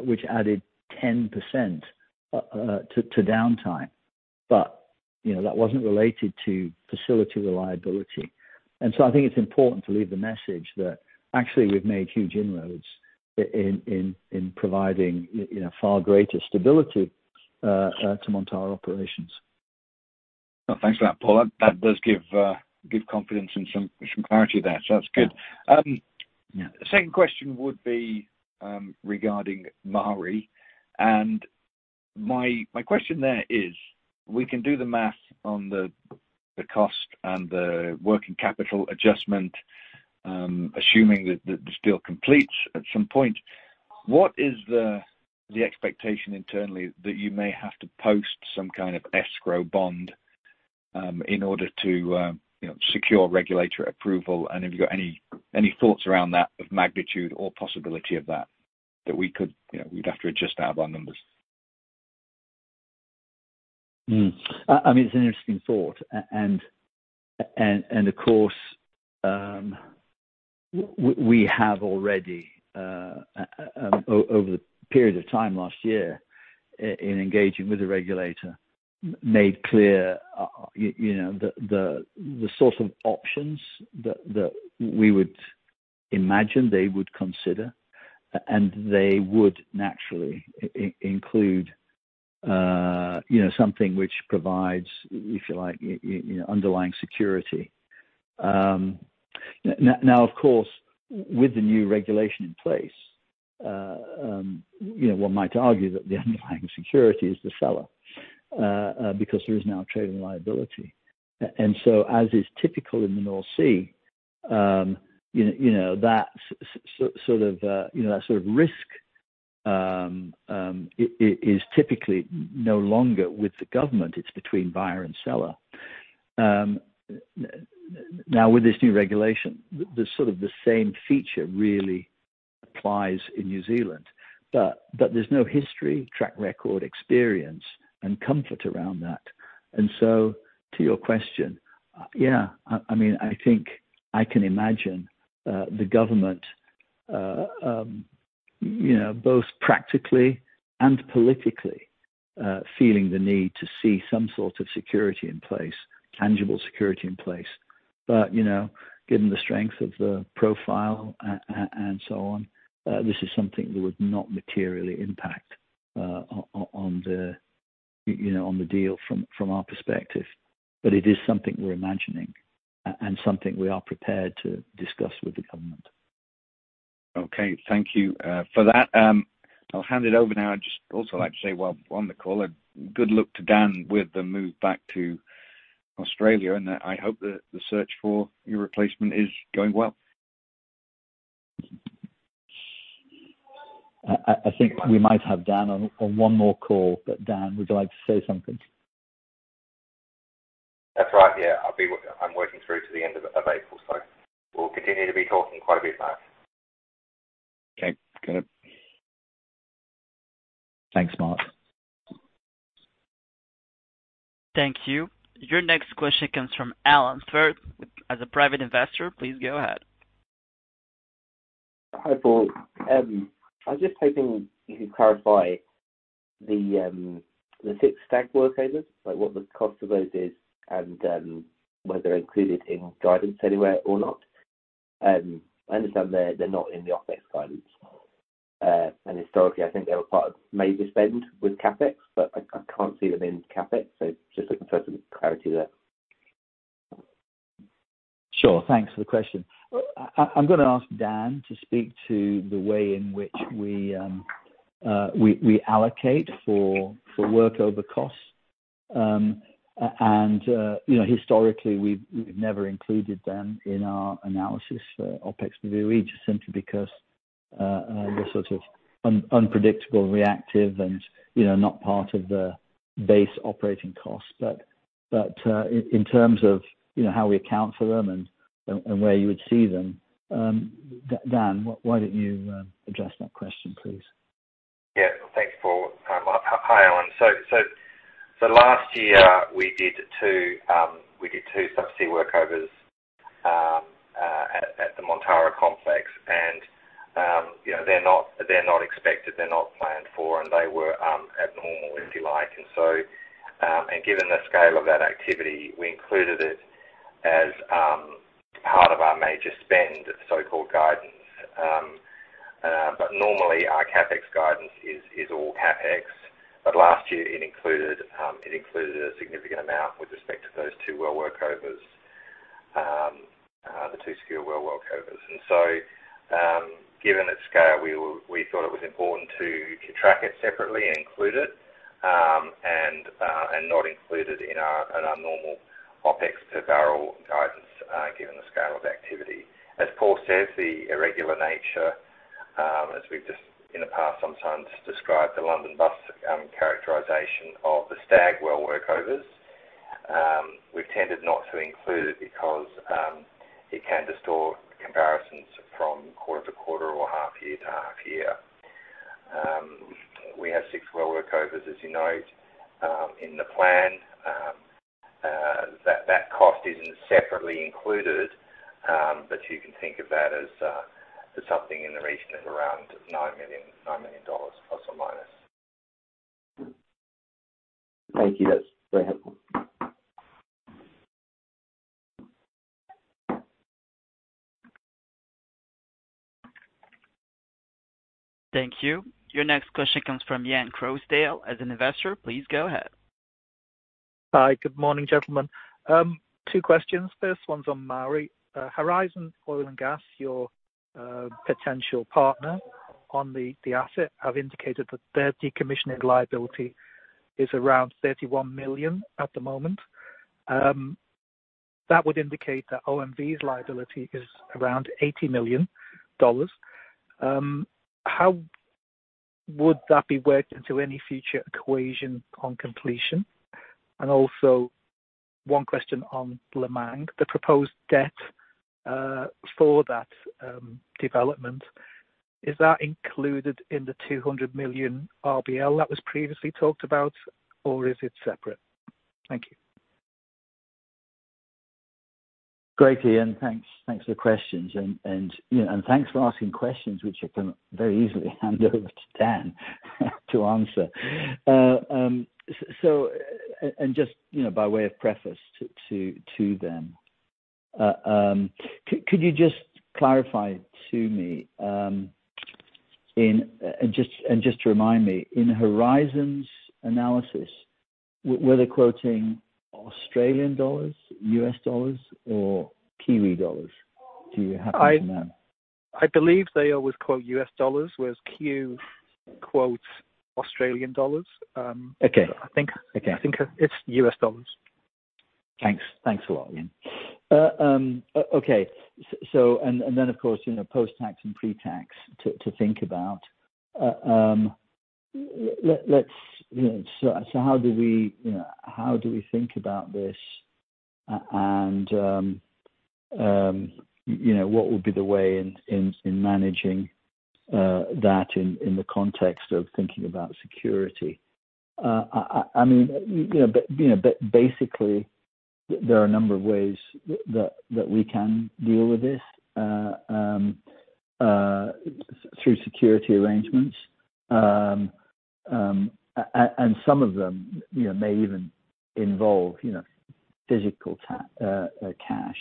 which added 10% to downtime. You know, that wasn't related to facility reliability. I think it's important to leave the message that actually we've made huge inroads in providing, you know, far greater stability to Montara operations. Oh, thanks for that, Paul. That does give confidence and some clarity there. That's good. Yeah. Second question would be, regarding Maari. My question there is, we can do the math on the cost and the working capital adjustment, assuming that this deal completes at some point. What is the expectation internally that you may have to post some kind of escrow bond, in order to you know, secure regulatory approval? Have you got any thoughts around that of magnitude or possibility of that we could, you know, we'd have to adjust our bond numbers? I mean, it's an interesting thought. Of course, we have already over the period of time last year in engaging with the regulator made clear you know, the sort of options that we would imagine they would consider. They would naturally include you know, something which provides, if you like, you know, underlying security. Now, of course, with the new regulation in place, you know, one might argue that the underlying security is the seller because there is now a trading liability. As is typical in the North Sea, you know, that sort of risk is typically no longer with the government; it's between buyer and seller. Now, with this new regulation, the sort of the same feature really applies in New Zealand, but there's no history, track record, experience, and comfort around that. To your question, yeah, I mean, I think I can imagine the government, you know, both practically and politically, feeling the need to see some sort of security in place, tangible security in place. But you know, given the strength of the profile and so on, this is something that would not materially impact on the you know, on the deal from our perspective. But it is something we're imagining and something we are prepared to discuss with the government. Okay. Thank you for that. I'll hand it over now. I'd just also like to say, while on the call, good luck to Dan with the move back to Australia, and I hope the search for your replacement is going well. I think we might have Dan on one more call. Dan, would you like to say something? That's right. Yeah. I'm working through to the end of April, so we'll continue to be talking quite a bit, Mark. Okay. Got it. Thanks, Mark. Thank you. Your next question comes from Alan Ruff. As a private investor, please go ahead. Hi, Paul. I was just hoping you could clarify the six Stag workovers, like what the cost of those is and whether they're included in guidance anywhere or not. I understand they're not in the OpEx guidance. Historically, I think they were part of major spend with CapEx, but I can't see them in CapEx. Just looking for some clarity there. Sure. Thanks for the question. I'm gonna ask Dan to speak to the way in which we allocate for workover costs. You know, historically, we've never included them in our analysis, OpEx review, just simply because they're sort of unpredictable, reactive and not part of the base operating costs. In terms of, you know, how we account for them and where you would see them, Dan, why don't you address that question, please? Yeah. Thanks, Paul. Hi, Alan. So last year we did two subsea workovers at the Montara Complex. You know, they're not expected, they're not planned for, and they were abnormal, if you like. Given the scale of that activity, we included it as part of our major spend, so-called guidance. Normally, our CapEx guidance is all CapEx. Last year it included a significant amount with respect to those two well workovers, the two subsea well workovers. Given its scale, we thought it was important to track it separately and include it and not include it in our normal OpEx to barrel guidance, given the scale of activity. As Paul says, the irregular nature, as we've just in the past sometimes described the London bus, characterization of the Stag well workovers. We've tended not to include it because it can distort comparisons from quarter to quarter or half-year to half-year. We have six well workovers, as you note, in the plan. That cost isn't separately included, but you can think of that as something in the region of around $9 million plus or minus. Thank you. That's very helpful. Thank you. Your next question comes from Ian Croesdale as an investor. Please go ahead. Hi. Good morning, gentlemen. Two questions. First one's on Maari. Horizon Oil Limited, your potential partner on the asset, have indicated that their decommissioning liability is around $31 million at the moment. That would indicate that OMV's liability is around $80 million. How would that be worked into any future equation on completion? Also one question on Lemang. The proposed debt for that development, is that included in the $200 million RBL that was previously talked about, or is it separate? Thank you. Great, Ian. Thanks. Thanks for the questions and, you know, and thanks for asking questions which I can very easily hand over to Dan to answer. Just, you know, by way of preface to them. Could you just clarify to me, just remind me, in Horizon's analysis, were they quoting Australian dollars, US dollars or Kiwi dollars? Do you happen to know? I believe they always quote U.S. dollars, whereas Q quotes Australian dollars. Okay. I think. Okay. I think it's U.S. dollars. Thanks. Thanks a lot, Ian. Okay. Of course, you know, post-tax and pre-tax to think about. Let's, you know, so how do we think about this and, you know, what would be the way in managing that in the context of thinking about security? I mean, you know, basically, there are a number of ways that we can deal with this through security arrangements. Some of them, you know, may even involve, you know, physical cash.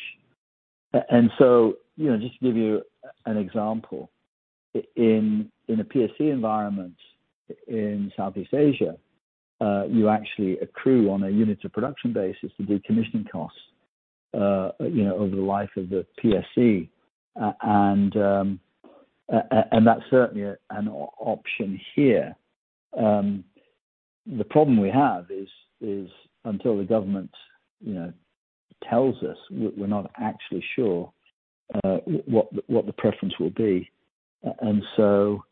You know, just to give you an example, in a PSC environment in Southeast Asia, you actually accrue on a unit of production basis, the decommissioning costs, you know, over the life of the PSC. That's certainly an option here. The problem we have is until the government, you know, tells us, we're not actually sure what the preference will be. Until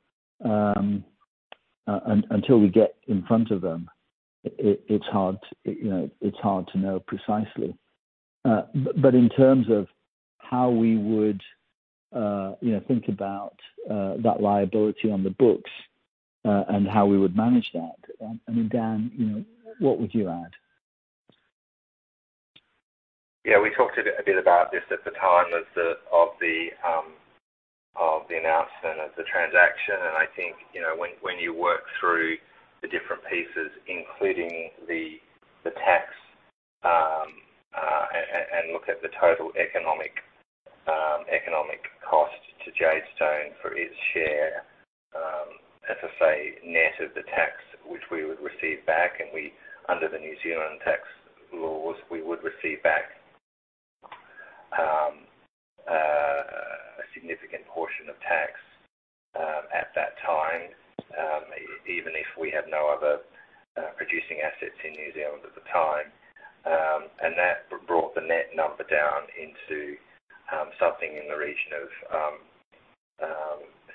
we get in front of them, it's hard, you know, it's hard to know precisely. In terms of how we would, you know, think about that liability on the books and how we would manage that, I mean, Dan, you know, what would you add? Yeah. We talked a bit about this at the time of the announcement of the transaction. I think, you know, when you work through the different pieces, including the tax and look at the total economic cost to Jadestone for his share, as I say, net of the tax, which we would receive back, and under the New Zealand tax laws, we would receive back a significant portion of tax at that time, even if we had no other producing assets in New Zealand at the time. That brought the net number down into something in the region of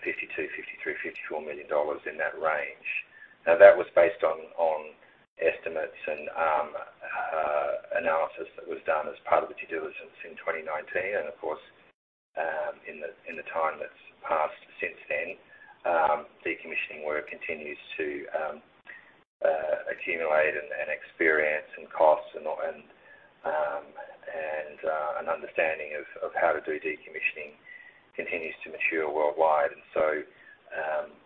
$52 million-$54 million in that range. Now, that was based on estimates and analysis that was done as part of the due diligence in 2019. Of course, in the time that's passed since then, decommissioning work continues to accumulate and experience and costs and an understanding of how to do decommissioning continues to mature worldwide.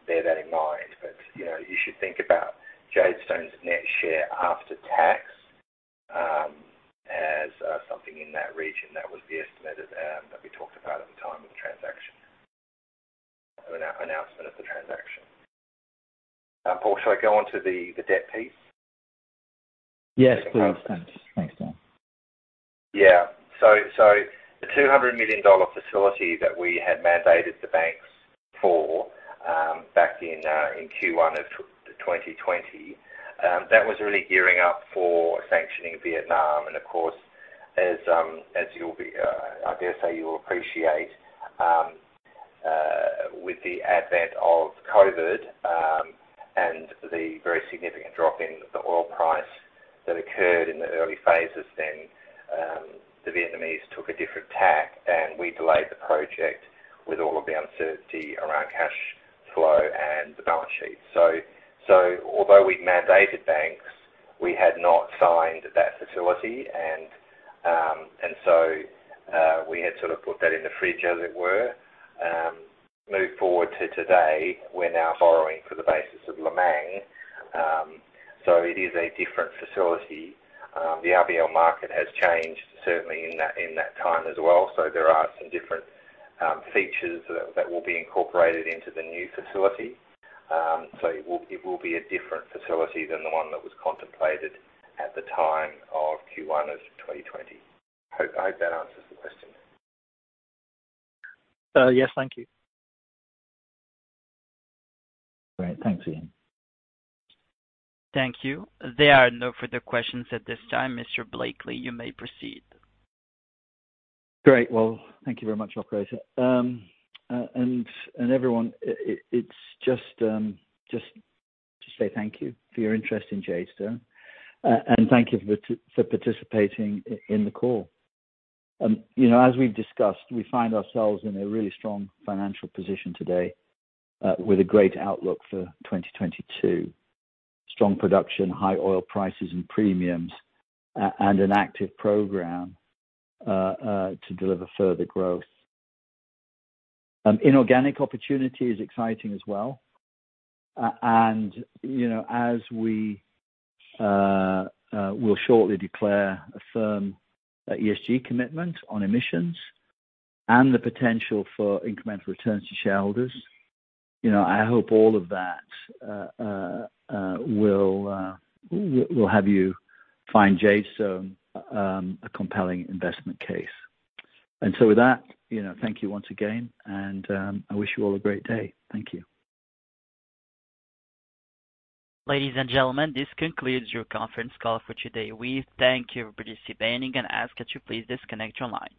Bear that in mind. You know, you should think about Jadestone's net share after tax as something in that region. That was the estimate of that we talked about at the time of the transaction announcement. Paul, should I go on to the debt piece? Yes, please. Thanks. Thanks, Dan. The $200 million facility that we had mandated the banks for back in Q1 of 2020 was really gearing up for sanctioning Vietnam. Of course, as you'll be, I dare say you'll appreciate, with the advent of COVID and the very significant drop in the oil price that occurred in the early phases then, the Vietnamese took a different tack, and we delayed the project with all of the uncertainty around cash flow and the balance sheet. Although we'd mandated banks, we had not signed that facility and so we had sort of put that in the fridge as it were. Move forward to today, we're now borrowing for the basis of Lemang. It is a different facility. The RBL market has changed certainly in that time as well. There are some different features that will be incorporated into the new facility. It will be a different facility than the one that was contemplated at the time of Q1 of 2020. I hope that answers the question. Yes. Thank you. Great. Thanks, Ian. Thank you. There are no further questions at this time. Mr. Blakeley, you may proceed. Great. Well, thank you very much, operator. It's just to say thank you for your interest in Jadestone. And thank you for participating in the call. You know, as we've discussed, we find ourselves in a really strong financial position today, with a great outlook for 2022. Strong production, high oil prices and premiums, and an active program to deliver further growth. Inorganic opportunity is exciting as well. And, you know, as we will shortly declare a firm ESG commitment on emissions and the potential for incremental returns to shareholders, you know, I hope all of that will have you find Jadestone a compelling investment case. With that, you know, thank you once again, and I wish you all a great day. Thank you. Ladies and gentlemen, this concludes your conference call for today. We thank you for participating and ask that you please disconnect your lines.